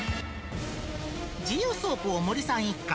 自由走行、森さん一家。